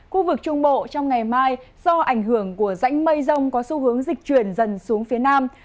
khu vực trung bộ trong ngày mai do ảnh hưởng của rãnh mây rông có xu hướng dịch chuyển dần xuống phía nam